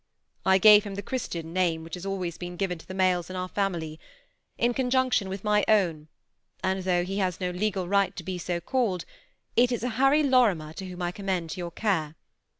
^ I gave him the Christian name which has always been given to the males in our family, in conjunction with my own, and though he has no legal right to be so called, it is a Harry Lori mer whom I commend to your care.